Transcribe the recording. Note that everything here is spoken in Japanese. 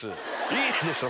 いいでしょ！